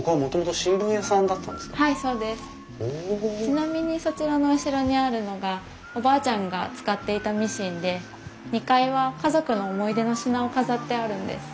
ちなみにそちらの後ろにあるのがおばあちゃんが使っていたミシンで２階は家族の思い出の品を飾ってあるんです。